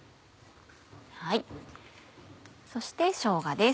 そしてしょうがです。